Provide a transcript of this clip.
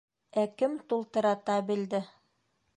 Ә кем тултыра табелде?